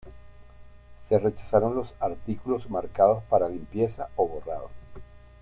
Se rechazaron los artículos marcados para limpieza o borrado.